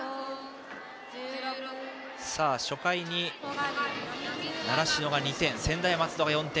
初回に習志野が２点専大松戸が４点。